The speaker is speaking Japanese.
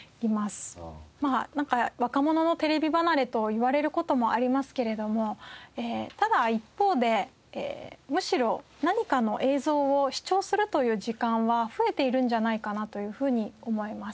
若者のテレビ離れといわれる事もありますけれどもただ一方でむしろ何かの映像を視聴するという時間は増えているんじゃないかなというふうに思います。